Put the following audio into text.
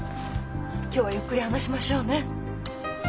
今日はゆっくり話しましょうね。